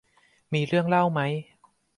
มีเรื่องเล่าไหม